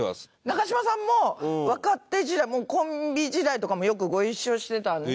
中島さんも若手時代コンビ時代とかもよくご一緒してたんで。